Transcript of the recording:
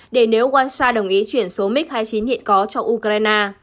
để nếu hoa sa đồng ý chuyển số mig hai mươi chín hiện có cho ukraine